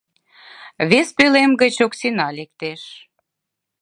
Вес пӧлем гыч Оксина лектеш.